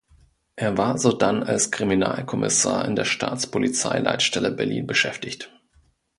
Er war sodann als Kriminalkommissar in der Staatspolizeileitstelle Berlin beschäftigt.